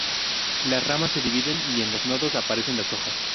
Las ramas se dividen y en los nodos aparecen las hojas.